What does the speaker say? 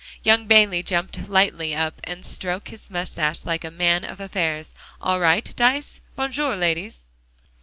Young Bayley jumped lightly up and stroked his moustache like a man of affairs. "All right, Dyce. Bon jour, ladies."